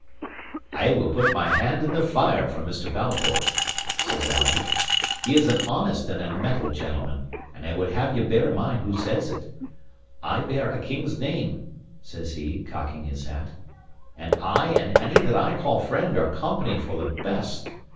"I will put my hand in the fire for Mr. Balfour," says Alan. "He is an honest and a mettle gentleman, and I would have ye bear in mind who says it. I bear a king's name," says he, cocking his hat; "and I and any that I call friend are company for the best.